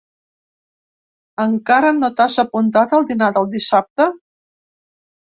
Encara no t’has apuntat al dinar del dissabte?